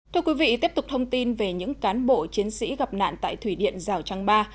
thưa quý vị tiếp tục thông tin về những cán bộ chiến sĩ gặp nạn tại thủy điện rào trang ba